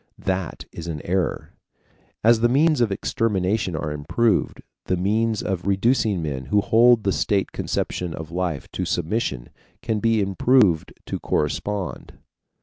That is an error. As the means of extermination are improved, the means of reducing men who hold the state conception of life to submission can be improved to correspond.